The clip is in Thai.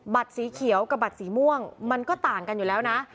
สีเขียวกับบัตรสีม่วงมันก็ต่างกันอยู่แล้วนะ